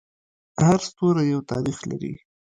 هر ستوری یو تاریخ لري.